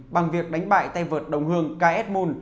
bằng việc đánh bại tay vợt đồng hương ks moon